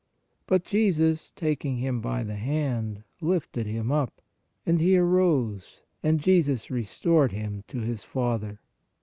But Jesus, taking him by the hand, lifted him up, and he arose and Jesus restored him to his father.